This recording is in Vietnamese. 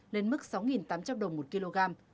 lên mức sáu tám trăm linh đồng một kg